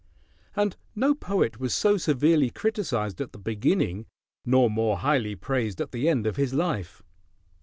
And no poet was so severely criticized at the beginning nor more highly praised at the end of his life.